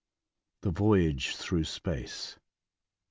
THE VOYAGE THEOUGH SPACE.